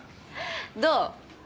どう？